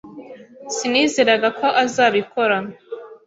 Sinizeraga ko azabikora.